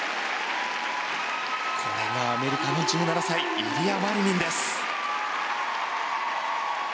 これがアメリカの１７歳イリア・マリニンです。